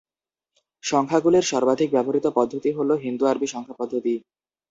সংখ্যাগুলির সর্বাধিক ব্যবহৃত পদ্ধতি হল হিন্দু-আরবি সংখ্যা পদ্ধতি।